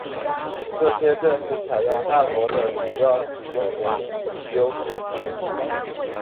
这些正是采用汉罗的主要使用原因及优势之一。